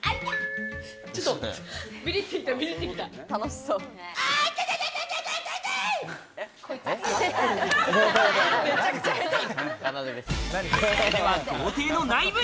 それでは豪邸の内部へ。